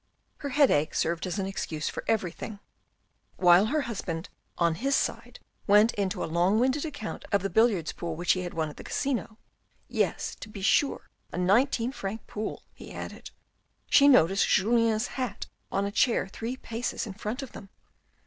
Her headache served as an excuse for everything. While AN AMBITIOUS MAN 233 her husband on his side went into a long winded account of the billiards pool which he had won at Casino, "yes, to be sure a nineteen franc pool," he added. She noticed Julien's hat on a chair three paces in front of them.